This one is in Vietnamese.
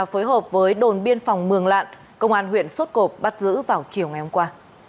phối hợp với đồn biên phòng mường lạn công an huyện sốt cộp bắt giữ vào chiều ngày hôm qua